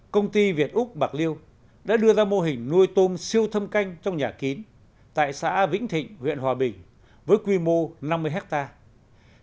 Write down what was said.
công ty việt úc bạc liêu đã đưa ra mô hình nuôi tôm siêu thâm canh trong nhà kín tại xã vĩnh thịnh huyện hòa bình với quy mô năm mươi hectare